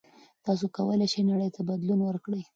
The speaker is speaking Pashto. تاسو کولای شئ نړۍ ته بدلون ورکړئ.